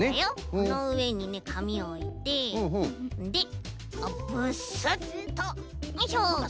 このうえにねかみおいてでブスッとよいしょ。